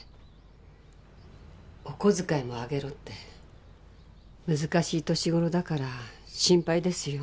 お小遣いも上げろって難しい年ごろだから心配ですよ。